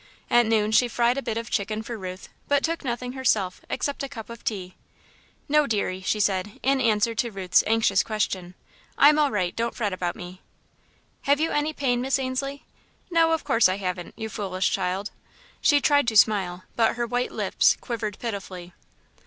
At noon she fried a bit of chicken for Ruth, but took nothing herself except a cup of tea. "No, deary," she said, in answer to Ruth's anxious question, "I'm all right don't fret about me." "Have you any pain, Miss Ainslie?" "No, of course I haven't, you foolish child!" She tried to smile, but her white lips quivered pitifully.